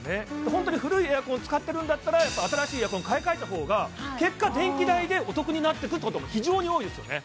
ホントに古いエアコンを使ってるんだったらやっぱ新しいエアコン買い替えた方が結果電気代でお得になってくってことも非常に多いですよね